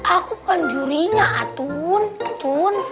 aku kan jurinya atun atun